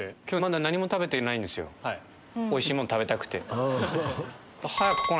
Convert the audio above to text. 今日まだ何も食べてないんですおいしいもん食べたくて。